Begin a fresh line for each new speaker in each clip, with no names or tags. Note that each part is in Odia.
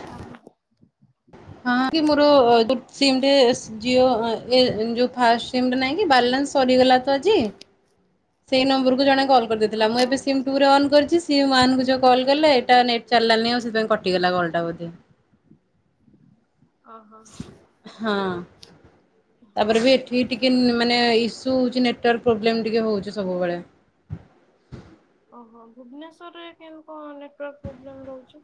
ହଁ
ହଁ କି ମୋର ଜିଓ ସିମ୍ ରେସ୍ ଜିଓ ଏଁନ ଯୋଉ ଫାଷ୍ଟ ସିମଟା ନାହିଁ କି ବାଲାନ୍ସ ସରିଗଲା ତ ଆଜି ସେଇ ନମ୍ବରକୁ ଜଣେ କଲ୍ କରିଦେଇଥିଲା ମୁଁ
ଓହୋ
ଏବେ ସିମ୍ ଟୁ ରେ ଅନ୍ କରିଚି ସିମ୍ ୱାନକୁ ଯୋଉ କଲ୍ କଲେ ଏଇଟା ନେଟ୍ ଚାଲିଲାନି ଆଉ ସେଥିପାଇଁ କଟିଗଲା କଲଟା ବୋଧେ?
ଅ ହ
ହଁ ତାପରେ
ହଉ।
ବି ଏଠି ଟିକେ ଇନ ମାନେ ଇସ୍ [unintelligible] ହଉଚି ନେଟୱାର୍କ ପ୍ରୋବ୍ଲେମ୍ ଟିକେ ହଉଚି ସବୁବେଳେ?
ଓହୋ ଭୁବନେଶ୍ୱରରେ କେମିତି କଣ ନେଟୱାର୍କ ପ୍ରୋବ୍ଲେମ ରହୁଚି?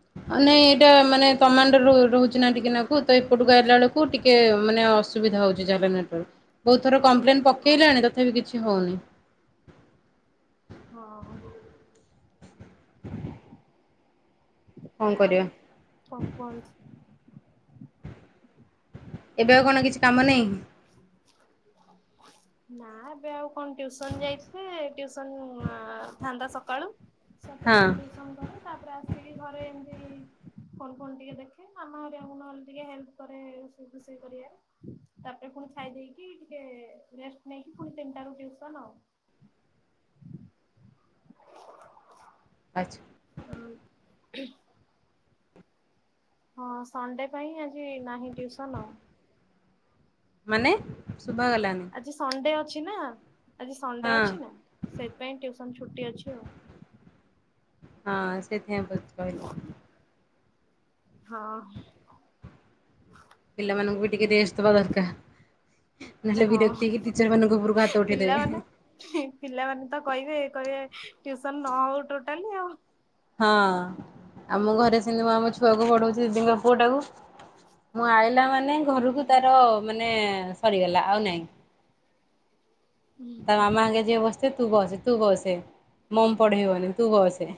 ନାଇଁ ଏଇଟା ମାନେ ତମାଣ୍ଡର ରହୁଚି ନା ଟିକେ ନାକ୍ ଏପଟୁ ଆଇଲା ବେଳକୁ ଟିକେ ମାନେ ଅସୁବିଧା ହଉଛି [unintelligible] ବହୁତଥର କମ୍ପ୍ଲେନ
ଓହୋ
ପକେଇଲାଣି ତଥାପି କିଛି ହଉନି।
ହଉ।
[unintelligible] କଣ
ଆଉ
କରିବା
କଣ କରୁଛି?
ଏବେ ଆଉ କଣ କିଛି କାମ ନାହିଁ?
[unintelligible] ନା ଏବେ ଆଉ କଣ ଟିଉସନ୍ ଯାଇଥିବେ ଟିଉସନ୍ ଥାନ୍ତା ସକାଳୁ।
ହଁ।
ସାତଟା ରୁ ଟ୍ୟୁସନ କରେ ତାପରେ ଆସିକି ଘରେ ଏମତି ଫୋନ୍ ଫୋନ୍ ଟିକେ ଦେଖେ ମାମା ହରିଆକୁ ନହଲେ ଟିକେ ହେଲ୍ପ କରେ ରୋଷେଇ ଫୋସେଇ କରିବା। ତାପରେ ପୁଣି ଖାଇ ଦେଇକି ଟିକେ ରେଷ୍ଟ ନେଇକି ପୁଣି ତିନିଟା ରୁ ଟିଉସନ୍ ଆଉ।
ଆଚ୍ଛା।
ଆଉ। ହଁ ସଣ୍ଡେ ପାଇଁ ଆଜି ନାହିଁ ଟ୍ୟୁସନ ଆଉ।
ମାନେ ଶୁଭା ଗଲାଣି।
ଆଜି ସଣ୍ଡେ ଅଛି ନା ଆଜି ସଣ୍ଡେ
ହଁ
ଅଛି ନା ସେଥିପାଇଁ ଟ୍ୟୁସନ୍ ଛୁଟି ଅଛି ଆଉ।
ହଁ ସେଥିପାଇଁ ବୋଧେ କହିଲି।
ହଁ।
ପିଲାମାନଙ୍କୁ ବି ଟିକେ ରେଷ୍ଟ ଦବା ଦରକାର ନହେଲେ
ହଁ
ବିରକ୍ତି ହେଇକି ଟିଚର ମାନଙ୍କ ଉପରୁ ହାତ
ପିଲାମାନେ
ଉଠେଇଦେବେ।
ପିଲାମାନେ ତ କହିବେ କହିବେ ଟ୍ୟୁସନ ନ ହଉ ଟୋଟାଲି ଆଉ।
ହଁ ଆମ ଘରେ ସେମିତି ମୁଁ ଆମ ଛୁଆକୁ ପଢଉଛି ଦିଦି ଙ୍କ ପୁଅ ଟାକୁ। ମୁଁ ଆଇଲା ମାନେ ଘରକୁ
ହଁ
ତାର ମାନେ ସରିଗଲା ଆଉ ନାଇଁ। ତା ମାମା ଆଗେ ଯିଏ ବସିଥିବ ତୁ ବସେ ତୁ ବସେ ମମ୍ ପଢେଇବନି ତୁ ବସେ।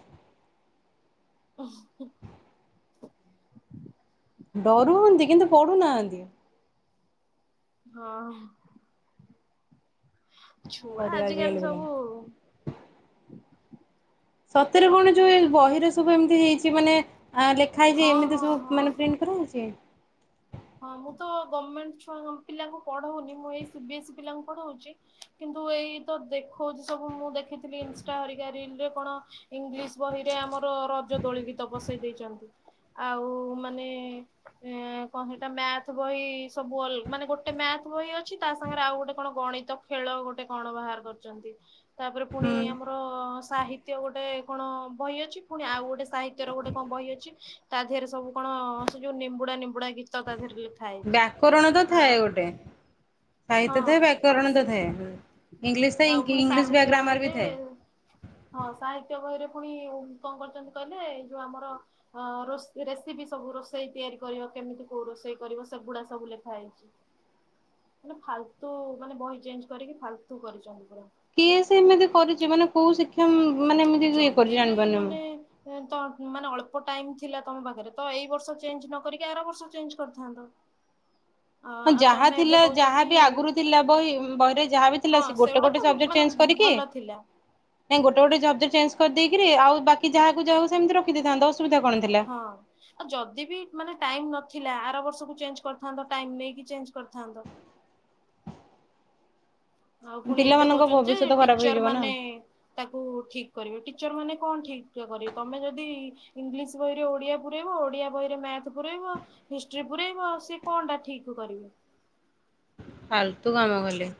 [unintelligible]
ଡରୁଉନ୍ତି କିନ୍ତୁ ପଢୁନାହାନ୍ତି।
ହଁ।
କଣ
ଛୁଆ
କରିବା
ଆଜିକାଲି
ପିଲା।
ସବୁ
ସତରେ କଣ ଯୋଉ ବହିରେ ସବୁ ଏମିତି ହେଇଛି ମାନେ ଆ ଲେଖା ହେଇଛି
ହଁ
ଏମିତି
ହଁ
ସବୁ
ହଁ।
ମାନେ ପ୍ରିଣ୍ଟ କରାହେଇଛି?
ହଁ ମୁଁ ତ ଗମେଣ୍ଟ ଛୁଆ ପିଲାଙ୍କୁ ପଢ଼ଉନି ମୁଁ ଏଇ ସିବି ଏସ୍ଇ ପିଲାଙ୍କୁ ପଢଉଛି। କିନ୍ତୁ ଏଇ ତ ଦେଖଉଛି ସବୁ ମୁଁ ଦେଖିଥିଲି ଇନ୍ଷ୍ଟା ହରିକା ରିଲରେ କଣ ଇଂଲିଶ ବହିରେ ଆମର ରଜ ଦୋଳି ଗୀତ ବସେଇ ଦେଇଛନ୍ତି। ଆଉ ମାନେ ଏ କଣ ହେଇଟା ମ୍ୟାଥ ବହି ସବୁ ଅଲ୍ ମାନେ ଗୋଟେ ମ୍ୟାଥ ବହି ଅଛି ତା ସାଙ୍ଗରେ ଆଉ ଗୋଟେ କଣ ଗଣିତ ଖେଳ ଗୋଟେ କଣ ବାହାର କରିଛନ୍ତି ତାପରେ ପୁଣି
ହୁଁ
ଆମର ସାହିତ୍ୟ ଗୋଟେ କଣ ବହି ଅଛି ପୁଣି ଆଉ ଗୋଟେ ସାହିତ୍ୟ ର ଗୋଟେ କଣ ବହି ଅଛି ତା ଦେହରେ ସବୁ କଣ ସେ ଯୋଉ ନିମ୍ବୁଡା ନିମ୍ବୁଡା ଗୀତ ତା ଦେହରେ ଲେ ଖାଇଛି
ବ୍ୟାକରଣ ତ ଥାଏ
ଆଉ
ଗୋଟେ ସାହିତ୍ୟ
ହଁ
ଥାଏ ବ୍ୟାକରଣ ତ ଥାଏ। ଇଂଲିଶ ଥାଏ
ଆଉ ପୁଣି
ଇଂଲିଶ ବ୍ୟା
ସାହିତ୍ୟ
ଗ୍ରାମାର ବି
ବହିରେ
ଥାଏ।
ହଁ ସାହିତ୍ୟ ବହିରେ ପୁଣି ଉ କଣ କରୁଛନ୍ତି କହିଲେ ଏଇ ଯୋଉ ଆମର ହଁ ରୋଷେ ରେସିପି ସବୁ ରୋଷେଇ ତିଆରି କରିବ କେମିତି? କୋଉ ରୋଷେଇ କରିବ ସେଗୁଡା ସବୁ ଲେଖା ହେଇଛି। ମାନେ ଫାଲତୁ ମାନେ ବହି ଚେଞ୍ଜ୍ କରିକି ଫାଲତୁ କରିଛନ୍ତି ପୁରା।
କିଏ ସେ ଏମିତି କରିଛି ମାନେ କୋଉ ଶିକ୍ଷା ମାନେ ଏମିତି ଇଏ
ଯଦି
କରିଛି
ବି
ଜାଣିପାରୁନି ମୁଁ।
ମାନେ ତ ମାନେ ଅଳ୍ପ ଟାଇମ୍ ଥିଲା ତମ ପାଖରେ ତ ଏଇ ବର୍ଷ ଚେଞ୍ଜ୍ ନ କରିକି ଆର ବର୍ଷ ଚେଞ୍ଜ୍ କରିଥାନ୍ତ। ଅ
ହଁ
ଆଉ
ଯାହା
ତମେ ଏବେ
ଥିଲା
କହୁଛ କି
ଯାହାବି ଆଗରୁ ଥିଲା ବହି ବହିରେ ଯାହାବି ଥିଲା
ହଁ
ସେ ଗୋଟେ
ସେଗୁଡା
ଗୋଟେ
ତ
ଗୋଟେ ସବଜେକ୍ଟ
ମାନେ
ଚେଞ୍ଜ କରିକି
ଭଲ ଥିଲା
ନାଇଁ ଗୋଟେ ଗୋଟେ ଜବଜେକ୍ଟ ଚେଞ୍ କରିଦେଇକିରି ଆଉ ବାକି ଯାହା ଯାହାକୁ ସେମିତି ରଖିଦେଇଥାନ୍ତ ଅସୁବିଧା କଣ? ଥିଲା।
ହଁ। ଆଉ ଯଦି ବି ମାନେ ଟାଇମ୍ ନଥିଲା ଆର ବର୍ଷକୁ ଚେଞ୍ଜ୍ କରିଥାନ୍ତ ଟାଇମ୍ ନେଇକି ଚେଞ୍ଜ୍ କରିଥାନ୍ତ। ଆଉ ପୁଣି ଏବେ
ପିଲାମାନଙ୍କ
କହୁଛନ୍ତି ଯେ
ଭବିଷ୍ୟତ ଖରାପ
ଟିଚର
ହେଇଯିବ ନା।
ମାନେ ତାକୁ ଠିକ୍ କରିବେ ଟିଚର ମାନେ କଣ ଠିକ୍ କରିବେ, ତମେ ଯଦି ଇଂଲିଶ ବହିରେ ଓଡିଆ ପୁରେଇବ ଓଡିଆ ବହିରେ ମ୍ୟାଥ୍ ପୁରେଇବ ହିଷ୍ଟ୍ରି ପୁରେଇବ ସିଏ କଣ ଟା ଠିକ୍ କରିବେ?
ଫାଲତୁ କାମ କଲେ।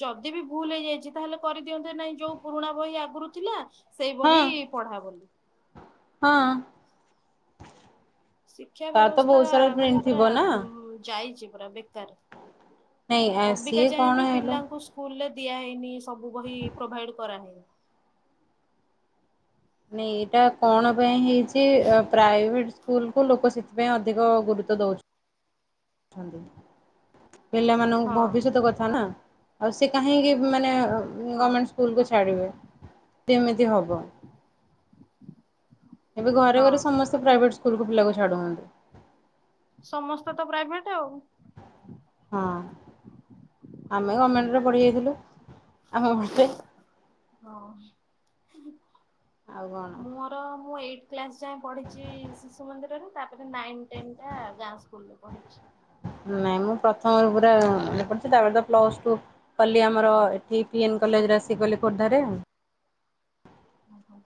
ଯଦି ବି ଭୁଲ୍ ହେଇଯାଇଛି ତାହେଲେ କରିଦିଅନ୍ତେ ନାଇଁ ଯୋଉଁ ପୁରୁଣା ବହି ଆଗରୁ ଥିଲା ସେଇ
ହଁ
ବହି ପଢା ବୋଲି।
ହଁ।
ଶିକ୍ଷା
ତାର ତ
ବ୍ୟବସ୍ଥା
ବହୁତ ସାରା
ମାନେ
ପ୍ରିଣ୍ଟ
ପୁରା
ଥିବ ନା
ଯାଇଛି ପୁରା ବେକାର।
ନାଇଁ
ଅବିକା
ସିଏ କଣ
ଯାଏଁବି
ହେଲା
ପିଲାଙ୍କୁ ସ୍କୁଲରେ ଦିଆହେଇନି ସବୁ ବହି ପ୍ରୋଭାଇଡ୍ କରାହେଇନି।
ନାଇଁ ଏଟା କଣ ପାଇଁ ହେଇଛି ପ୍ରାଇଭେଟ୍ ସ୍କୁଲ କୁ ଲୋକ ଶି ସେଥିପାଇଁ ଅଧିକ ଗୁରୁତ୍ୱ ଦଉଛୁ। ଛନ୍ତି ପିଲାମାନଙ୍କୁ
ହଁ
ଭବିଷ୍ୟତ କଥା ନା। ଆଉ ସେ କାହିଁକି ମାନେ
ହଁ
ଗମେଣ୍ଟ ସ୍କୁଲକୁ ଛାଡ଼ିବେ? କେମିତି ହବ? ଏବେ ଘରେ
ହଁ
ଘରେ ସମସ୍ତେ ପ୍ରାଇଭେଟ୍ ସ୍କୁଲକୁ ପିଲା ଛାଡ଼ୁନାହାନ୍ତି।
ସମସ୍ତେ ତ ପ୍ରାଇଭେଟ୍ ଆଉ।
ହଁ ଆମେ ଗମେଣ୍ଟରେ ପଡ଼ିିଯାଇଥିଲୁ ଆମେ ପଟେ।
ହଁ,
ଆଉ କଣ
ମୁଁ ମ ତ ମୁଁ ଏଇଟ୍ କ୍ଲାସ୍ ଯାଏଁ ପଢିଛି ଶିଶୁ ମନ୍ଦିରରେ ତାପରେ ନାଇନ୍ ଟେନ୍ ଟା ଗାଁ ସ୍କୁଲରେ ପଢଛି।
ନାଇଁ ମୁଁ ପ୍ରଥମରୁ ପୁରା ମନେ ପଢ଼ିଛି ତାପରେ ତ ପ୍ଲସ୍ ଟୁ କଲି ଆମର ଏଠି ପି ଏନ୍ କଲେଜରେ ଆସି କଲି ଖୋର୍ଦ୍ଧାରେ।
ଓ, ହଁ।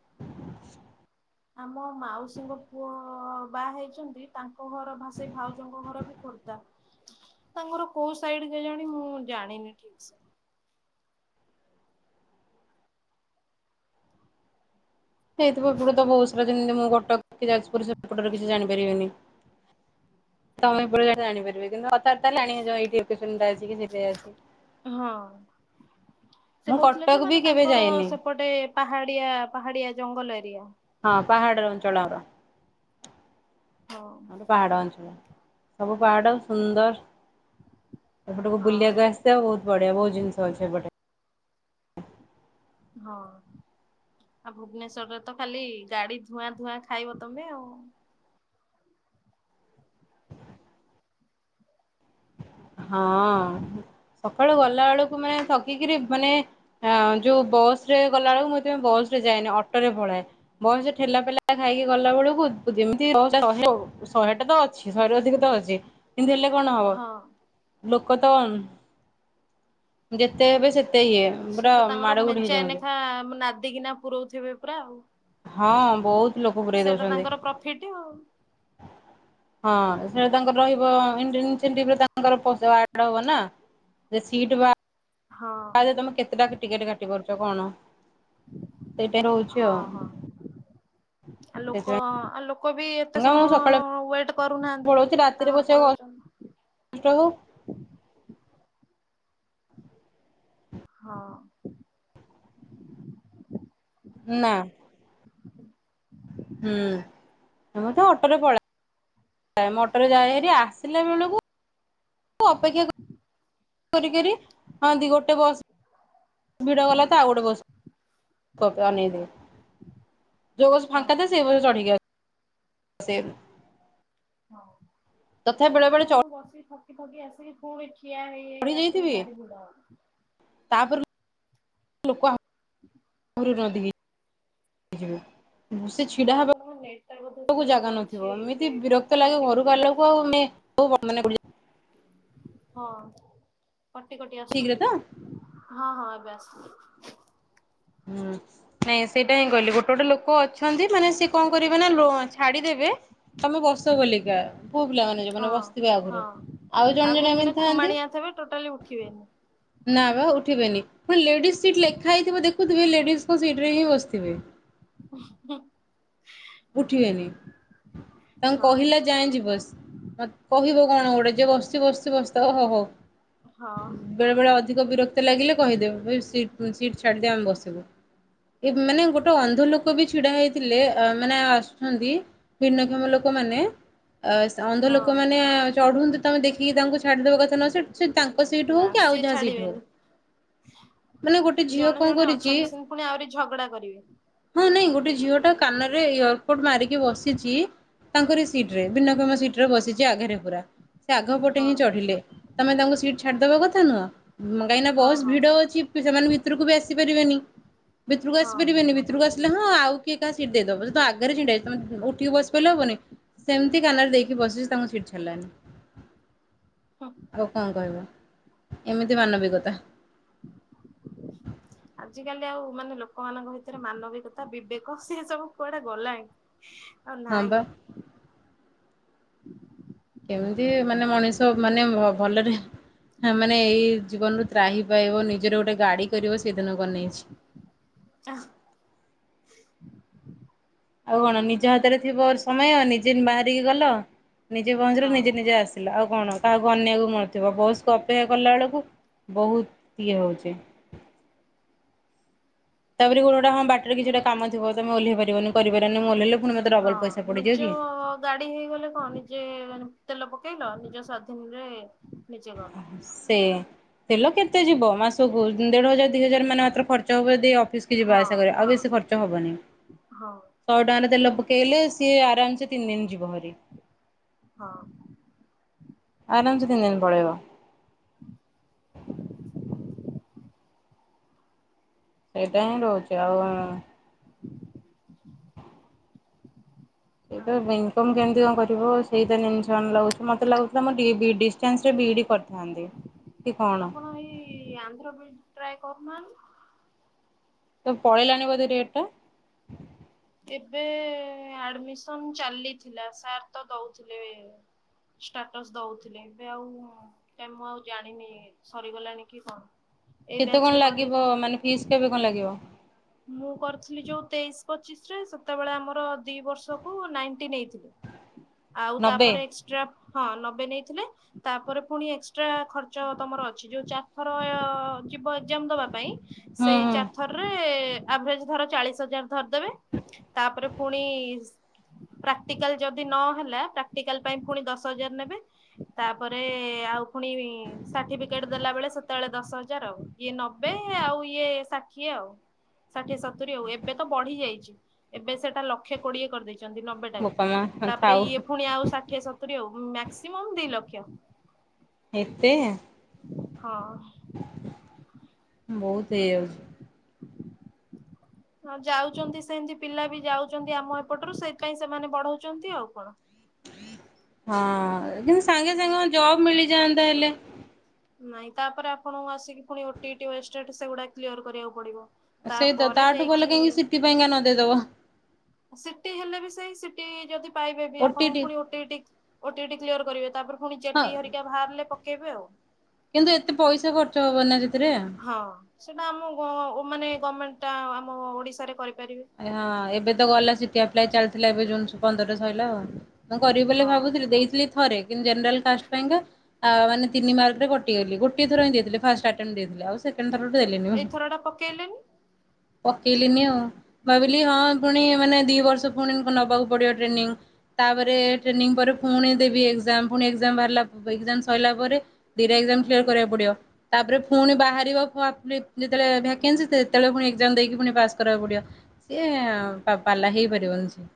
ଆମ ମାଉସୀଙ୍କ ପୁଅ ହଁ ବାହା ହେଇଛନ୍ତି ତାଙ୍କ ଘର ଭା ସେଇ ଭାଉଜଙ୍କ ଘର ବି ଖୋର୍ଦ୍ଧା। ତାଙ୍କର କୋଉ ସାଇଡ୍ କେଜାଣି ମୁଁ ଜାଣିନି ଠିକ୍ ସେ।
ହେଇଥିବ ଏପଟେ ତ ବହୁତସାରା ଯେମିତି ମୁଁ କଟକ କି ଯାଜପୁର ସେପଟରେ କିଛି ଜାଣିପାରିବେନି? ତମେ ପୁରା ଏ ଜାଣିପାରିବେ, କିନ୍ତୁ କଥାବାର୍ତ୍ତା ହେଲେ ଜାଣିହେଇଯିବ ଏଇଠି ଲୋକେସନ୍ ଟା ଅଛି କି ସେଠି ଅଛି।
ହଁ ସେ
ମୁଁ
କହୁଥିଲେ ଯେ
କଟକ ବି
ମାନେ
କେବେ
ତାଙ୍କର
ଯାଇନି
ସେପଟେ ପାହାଡିଆ, ପାହାଡିଆ ଜଙ୍ଗଲ ଏରିଆ।
ହଁ ପାହାଡ଼ର ଅଞ୍ଚଳ ଆମର।
ହଁ
ଆମର ପାହାଡ ଅଞ୍ଚଳ, ସବୁ ପାହାଡ ସୁନ୍ଦର ଏପଟକୁ
ହଁ।
ବୁଲିବାକୁ ଆସିବ ବହୁତ ବଢିଆ ବହୁତ ଜିନିଷ ଅଛି ଏପଟେ।
ହଁ ଆଉ ଭୁବନେଶ୍ଵରେ ତ ଖାଲି ଗାଡି ଧୂଆଁ ଧୂଆଁ ଖାଇବ ତମେ ଆଉ।
ହଁ ସକାଳୁ ଗଲା ବେଳକୁ ମାନେ ଥକିକିରି ମାନେ ହଁ ଯୋଉ ବସ୍ ରେ ଗଲାବେଳକୁ ମୁଁ ସେଥିପାଇଁ ବସ୍ ରେ ଯାଏନି ଅଟୋ ରେ ପଳାଏ, ବସ୍ ରେ ଠେଲା ପେଲା ଖାଇକି ଗଲା ବେଳକୁ ଯେମିତି, ଶହେ ଶହେଟା ତ ଅଛି, ଶହେରେ ଅଧିକ ତ ଅଛି। ଏମତି ହେଲେ କଣ ହବ
ହଁ
ଲୋକ ତ ଯେତେ ଏବେ ସେ
ସେ ତ ତାଙ୍କର ମେଞ୍ଚାଏନେଖା ନାଦିିକିନା ପୁରଉଥିବେ ପୁରା ଆଉ।
ହଁ ବହୁତ ଲୋକ ପୁରେଇ
ସେଇଟା
ଦଉଛନ୍ତି।
ତାଙ୍କର ପ୍ରଫିଟ୍ ଆଉ
ହଁ ସେ ତାଙ୍କର ରହିବ ତାଙ୍କରଇସାଡ ହବ ନା।
ହଁ
ତମେ କେତେଟା ଟିକେଟ କାଟି ପାରୁଛ କଣ? ସେଇଟା ରହୁଛି
ହଁ
ଆଉ।
ହଁ ଆ ଲୋକ
ସେଥିପାଇଁକା
ଆ ଲ ଲୋକ ବି ଏତେ
ମୁଁ
ସମୟ
ସକାଳେ
ୱେଟ କରୁନାହାନ୍ତି ତାଙ୍କର ପଳାଉଛନ୍ତି।
ରହୁ [inaudible]
ହଁ
ନା
[inaudible]
ହୁଁ ମୁଁ ତ ଅଟୋରେ ପଳେଇ ଅଟୋରେ ଯାଇ ହେରି ଆସିଲା ବେଳକୁ ଅପେକ୍ଷା ହ ଦି ଗୋଟେ କ [unintelligible] ଭିଡ଼
ହଁ
ଗଲା ତ ଆଉଡେ ବସ ଅନ ଦେଇ। ଯେଉଁ ବସ
ହଁ
ଫାଙ୍କା ତ ସେବ ଚଢ଼ି ସେ
ହ
ତଥାପି ବେଳେ
ଏତେ
ବେଳେ
କଣ ବସି ଥକି ଥକି ଆସିକି ପୁଣି ଠିଆ ହେଇି
ପ ଯାଇଥିବେ ତାପରେ ଲୋକ [inaudible]
ହ [inaudible]
ିବ [inaudible] ସେ ଛିଡା
ହବ।
ହେବାକୁ
ଆପଣଙ୍କ ନେଟଟା ବୋଧେ
[unintelligible]
ସ୍ଲୋ
ଜାଗା
ଅଛି
ନଥିବ
ଟିକେ
ଏମିତି
କଥା
ବିରକ୍ତ ଲାଗେ
କଟି କଟି
ଘରୁକୁ ଆଇଲା
ଆସୁଛି
ବେଳକୁ ଆଉେ ପୁ [inaudible]
ହଁ କଟି କଟି ଆସିଛି
ଠିକରେ
ଟିକେ
ତ
ହଁ ହଁ ଏବେ ଆସ
ହୁଁ ନାଇଁ ସେଇଟା ହିଁ କହିଲି, ଗୋଟେ ଗୋଟେ ଲୋକ ଅଛନ୍ତି ମାନେ ସିଏ କଣ କରିବେ ନା ଲୋ ଅଛି। ଛାଡିଦେବେ ତମେ ବସ ବୋଲିକା ପୁଅ ପିଲାମାନୋନେ
ହଁ
ଯଉମାନେ ବସିଥିବେ
ହଁ
ଆଗରୁ
ଆଉ ଜଣେ ଜଣେ ଖୁମାଡିଆଥିବବେ ଟୋଟାଲି ଉଠିବେନି।
ନା ବା ଉଠିବେନି ପଣ ଲେଡ଼ିଜ୍ ସିଟ୍ ଲେଖା ହେଇଥିବ, ଦେଖୁଥିବେ ଲେଡ଼ିଜ୍ଙ୍କ ସିଟି ରେ ହିଁ ବସିଥିବେ -
ହ [inaudible]
ଉଠିବେନି ତାଙ୍କୁ କହିଲା ଯାଏ ସେ ବସ୍ ମତେ କହିବ କଣ ଗୋଟେ ଯେ ବସି ବସି ବସି ହ ହଉ
ହଁ
ବେଳେ ବେଳେ ଅଧିକ ବିରକ୍ତ ଲାଗିଲେ କହିଦେବେ ଭ ସିଟ୍ ଛାଡ଼ିଦିଅ, ଆମେ ବସିବୁ। ମାନେ ଗୋଟେ ଅନ୍ଧ ଲୋକ ବି ଛିଡା ହେଇଥିଲେ। ମାନେ ଆସୁଛନ୍ତି ଭିନ୍ନକ୍ଷମ ଲୋକମାନେ ଅନ୍ଧ
ହଁ
ଲୋକମାନୋନ ଚଢୁନ୍ତନ୍ତି ତମେ ଦେଖିକି ତାଙ୍କୁ ଛାଡିଦବା କଥା ନହ ସେ ସେ ତାଙ୍କ ସେଇଠ
ନା ସିଏ ଛାଡିବେନି।
ମାନେ ଗୋଟେ ଝିଅ
ଜଣେ
କଣ
ଜଣେ
କରିଛି
ଅଛନ୍ତି, ସେମତି ପୁଣି ଆହୁରି ଝଗଡା କରିବେ।
ହଁ ନାଇଁ ଗୋଟେ ଝିଅ ଟା କାନରେ ଏୟାରପୋର୍ଟ ମାରିକି ବସିଛି। ତାଙ୍କରି ସିଟରେ ଭିନ୍ନକ୍ଷମ ସିଟରେ ବସିଛି ଆଘରେ ପୁରା ସେ ଆଗ ପଟେ
ହଁ
ହିଁ ଚଢିଲେ। ତମେ ତାଙ୍କୁ ସିଟ୍ ଛାଡିଦବା କଥା ନୁହଁ। କାହିଁକିନା
ହଁ
ବସ
ହଁ
ଭିଡ ଅଛି ସେମାନେ ଭିତରକୁ ବି ଆସି ପାରିବେନି ଭିତରକୁ ଆସି
ହଁ
ପାରିବେନି। କୁ ଆସିଲ ହଁ ଆଉ କିଏ କାହା ସିଟି ଦେଇଦବ ତ ଆଗରେ ଛି ତମେ ଉଠିକି ବସି ପାରଲେ ହବନି। ସେମିତି କାନରେ ଦେଇକି ବସିଛି ତାଙ୍କୁ ସିଟ୍ ଛଡ଼ିଲାନି।
ହଁ
ହଉ କଣ କହିବ ଏମିତି ମାନବିକତା।
ଆଜିକାଲି ଆଉ ମାନେ ଲୋକମାନଙ୍କ ଭିତରେ ମାନବିକତା ବିବେକ ସେ ସବୁ କୁଆଡେ ଗଲାଣି। ଆଉ
ହଁ
ନାଇଁ।
ବା ଏମିତି ମାନେ ମଣିଷ ମାନେ ଭଲରେ ମାନେ ଏଇ ଜୀବନରୁ ତ୍ରାହିିି ପାଇବ ନିଜର ଗୋଟେ ଗାଡି କରିବ ସେଦିନକୁ ଅନେଇଛି।
ଅ।
ଆଉ କଣ ନିଜ ହାତରେ ଥିବ ସମୟ ନିଜେ ବାହାରିକି ଗଲ ନିଜେ ପହଞ୍ଚିଲ
ହଁ
ନିଜେ ନିଜେ ଆସ। ଥିଲା ଆଉ କଣ କାହାକୁ ଅନେଇଆକୁ ନଥିବ ବସକୁ ଅପେକ୍ଷା କଲା ବେଳକୁ ବହୁତ ଇଏ ହେଉଛି। ତାପରେ ଗୋଟେ ଗୋଟେ ଟା ହଁ ବାଟରେ ରେ କିଛି ଗୋଟେ କାମ ଥିବ ତମେ ଓଲେଇ ପାରିବନି କରିପାରିବନି ମୁ ଓଲେଇଲେ
ହଁ ନିଜ ଗାଡି ହେଇଗଲେ କଣ ନିଜେ ମ ତେଲ ପକେଇଲ ନିଜ ସ୍ଵାଧୀନ ରେ ନିଜେ ଗଲ।
ସେ ତେଲ କେତେ ଯିବ ମାସକୁ ଦେଢ ହଜାର ଦି ହଜାର ମାନେ ମାତ୍ର ଖର୍ଚ୍ଚ ହବ ଯଦି ଅଫିସ କି ଯିବା
ହଁ
ଆସିବା କରିବା ଆଉ ବେଶୀ ଖର୍ଚ୍ଚ ହବନି।
ହଁ
ଶହେ ଟଙ୍କାରେ ତେଲ ପକେଇଲେ ସିଏ ଆରାମସେ ତିନି ଦିନ ଯିବ ଭାରି।
ହଁ।
ଆରାମସେ ତିନିଦିନ ପଳେଇବ। ସେଇଟା ହିଁ ରହୁଛି ଆଉ ଉଁ ଏ ତ
ଆଉ
ଇନକମ କେମିତି କଣ କରିବ? ସେଇଟା ଟେନସନ ଲାଗୁଛି ମୋତେ ଲାଗୁଥିଲା ମୁଁ ଡି ଡିଷ୍ଟାନ୍ସରେ ବିଇଡ଼ି କରିଥାନ୍ତି କି କଣ?
ଏ ଆନ୍ଧ୍ରବିଇଡି ଟ୍ରାଏ କରୁନାହାନ୍ତି?
ତ ପଳେଇଲାଣି ବୋଧେ ଡେଟ ଟା।
ଏବେ ଆଡମିସନ ଚାଲିଥିଲା ସାର୍ ତ ଦଉଥିଲେ। ଷ୍ଟାଟସ୍ ଦଉଥିଲେ ଏବେ ଆଉ କାଇଁ ମୁଁ ଆଉ ଜାଣିନି ସରିଗଲାଣି କି କଣ? ଏଇ
କେତେ
ବ୍ୟାଚ୍ ରେ
କଣ ଲାଗିବ
କରିଦେଇଥାନ୍ତି।
ମାନେ ଫିସ୍ କେବେ କଣ ଲାଗିବ?
ମୁଁ କରିଥିଲି ଯୋଉ ତେଇଶି ପଚିଶ ରେ ସେତେବେଳେ ଆମର ଦି ବର୍ଷକୁ ନାଇଣ୍ଟି ନେଇଥିଲେ। ଆଉ
ନବେ
ତାପରେ ଏକ୍ସଟ୍ରା ହଁ ନବେ ନେଇଥିଲେ। ତାପରେ ପୁଣି ଏକ୍ସଟ୍ରା ଖର୍ଚ ତମର ଅଛି ଯୋଉ ଚାରିଥର ଯିବ ଏକ୍ଜାମ ଦବା ପାଇଁ
ହୁଁ
ସେଇ
ହୁଁ
ଚାର ଥରରେ ଆଭରେଜ ଧର ଚାଳିଶ ହଜାର ଧରିଦେବେ। ତାପରେ ଫୁଣି ପ୍ରାକ୍ଟିକାଲ ଯଦି ନହଲା ପ୍ରାକ୍ଟିକାଲ ପାଇଁ ପୁଣି ଦଶ ହଜାର ନେବେ। ତାପରେ ଆଉ ଫୁଣି ସାର୍ଟିଫିକେଟ ଦେଲା ବେଳେ ସେତେବେଳେ ଦଶ ହଜାର ଆଉ। ଇଏ ନବେ ଆଉ ଇଏ ଷାଠିଏ ଆଉ। ଷାଠିଏ ସତୁରି ଆଉ ଏବେ ତ ବଢି ଯାଇଛି ଏବେ ସେଟା ଲକ୍ଷେ କୋଡିଏ କରିଦେଇଛି। ଛନ୍ତି ନବେ
ବୋପା
ଟାକୁ
ମା
ତାପରେ
ଥାଉ
ଇଏ ପୁଣି ଆଉ ଷାଠିଏ ସତୁରି ଆଉ ମାକ୍ସିମମ ଦି ଲକ୍ଷ।
ଏତେ।
ହଁ।
ବହୁତ ହେଇଜାଉଛି।
ହଁ ଯାଉଛନ୍ତି ସେମିତି ପିଲା ବି ଯାଉଛନ୍ତି ଆମ ଏପଟରୁ ସେଇଥିପାଇଁ ସେମାନେ ବଢଉଛନ୍ତି ଆଉ କଣ।
ହଁ କିନ୍ତୁ ସାଙ୍ଗେ ସାଙ୍ଗେ ମାନେ ଜବ ମିଳିଯାଆନ୍ତା ହେଲେ।
ନାଇଁ ତାପରେ ଆପଣଙ୍କୁ ଆସିକି ପୁଣି ଓଟିଇ ଟି ୱଷ୍ଟେଡ୍ ସେଗୁଡା କ୍ଲିୟର କରିବାକୁ ପଡିବ।
ସେଇ ତ
ତାପରେ
ତାଠୁ ଗଲେ
ଯାଇକି
କାହିଁକି ସିଟି ପାଇଁକା ନ ଦେଇେଇଦବ।
ସିଟି ହେଲେ ବି ସେଇ ସିଟି ଯଦି ପାଇବେ ବି ଆପଣଙ୍କୁ
ଓଟିଟି
ପୁଣି ଓଟିଇଟି ଓଟିଇଟି କ୍ଲିୟର କରିବେ ତାପରେ ପୁଣି
ହଁ
ଜେଟି ହେରିକା ବାହାରିଲେ ପକେଇବେ ଆଉ।
କିନ୍ତୁ ଏତେ ପଇସା ଖର୍ଚ୍ଚ ହବ ନା ସେଥିରେ।
ହଁ ସେଟା ଆମ ଗ ଓ ମାନେ ଗମେଣ୍ଟ ଟା ଆମ ଓଡିଶାରେ କରି
ହଁ ଏବେ ତ ଗଲା ସିଟି ଆପ୍ଲାଏ ଚାଲିଥିଲା ଏବେ ଜୁନ ପନ୍ଦର ରେ ସଇଲା ଆଉ। ମୁଁ କରିବି ବୋଲି
ହଁ
ଭାବୁଥିଲି ଦେଇଥିଲି ଥରେ। କି ଜେନରାଲା କାଷ୍ଟ ପାଇଁ ମାନେ ତିନି ମାର୍କରେ କଟିଗଲି ଗୋଟିଏ ଥରଁ ଦେଇଥିଲି ଫାଷ୍ଟ ଆଟେଣ୍ଡ ଦେଇଥିଲି। ସେକେଣ୍ଡ ଥର ଦେଲିନି
ଏଇଥର ଟା ପକେଇଲେନି।
ପକେଇଲିନି ଆଉ। ଭାବିଲି ହଁ ପୁଣି ମାନେ ଦି ବର୍ଷ ପୁଣି ନେବାକୁ ପଡ଼ିବ ଟ୍ରେନିଂ ତାପରେ ଟ୍ରେନିଂ ପରେ ପୁଣି ଦେବି ଏକଜାମ ପୁଣି ଏକଜାମ ବାହାରିଲା ଏକଜାମ ସରିଲା ପରେ ଦିଟା ଏକଜାମ କ୍ଲିୟର କରିବାକୁ ପଡିବ। ତାପରେ ପୁଣି ବାହାରିବ ଯେତେଳେ ଭାକେନ୍ସି ସେତେବେଳେ ପୁଣି ଏକଜାମ ଦେଇକି ପୁଣି ପାସ୍ କରିବାକୁ ପଡିବ। ସିଏ ପା ପାଲା ହେଇପାରିବନି ସ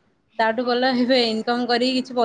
ତାଠୁ ଭଲ ହେବେ ଇନକମ କର କିଛି ପଇ